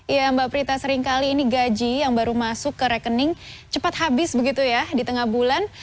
ya mbak prita seringkali ini gaji yang baru masuk ke rekening cepat habis begitu ya di tengah bulan